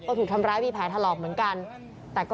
เพราะถูกทำร้ายเหมือนการบาดเจ็บเนื้อตัวมีแผลถลอก